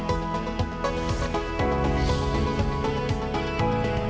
oh mereka meracgranja